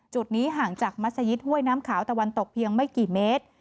จุดนี้ห่างจากมัศยิตห้วยน้ำขาวตะวันตกเพียงไม่กี่เมตร